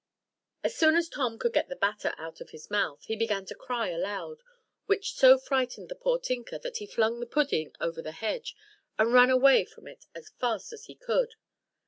As soon as Tom could get the batter out of his mouth, he began to cry aloud, which so frightened the poor tinker, that he flung the pudding over the hedge, and ran away from it as fast as he could.